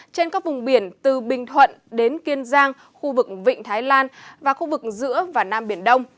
trên các vùng biển từ bình thuận đến kiên giang khu vực vịnh thái lan và khu vực giữa và nam biển đông